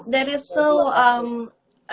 dan mereka menunjukkan suku mereka juga